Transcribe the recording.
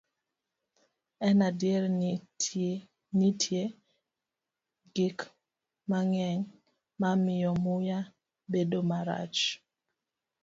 En adier ni nitie gik mang'eny ma miyo muya bedo marach.